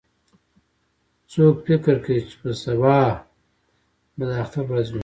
څوک فکر کوي چې سبا به د اختر ورځ وي